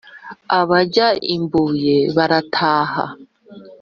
Abajya i Mbuye barataha